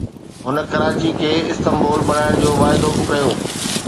هن ڪراچي کي استنبول بنائڻ جو واعدو به ڪيو